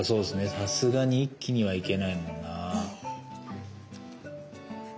さすがに一気には行けないもんな。